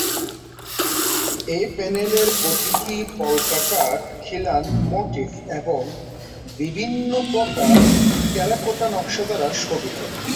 এ প্যানেলের প্রতিটি পলকাটা খিলান মোটিফ এবং বিভিন্ন প্রকার টেরাকোটা নকশা দ্বারা শোভিত।